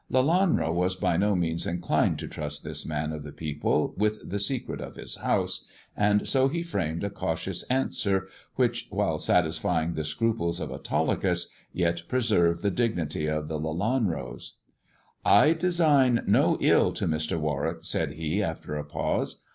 Lelanro was by no means inclined to trust this man of the people with the secret of his house, and so he framed a cautious answer, which, while satisfying the scruples of Autolycus, yet preserved the dignity of the Lelanros. " I design no ill to Mr. Warwick," said he, after a pause.